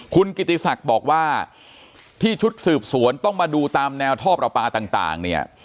คุณกิติศักดิ์บอกว่าที่ชุดสืบสวนต้องมาดูตามแนวท่อประปาต่างเนี่ย